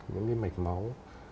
những cái mạch máu